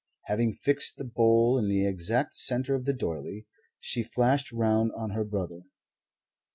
Having fixed the bowl in the exact centre of the doiley, she flashed round on her brother.